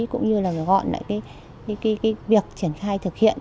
cũng như là gọn lại cái việc triển khai thực hiện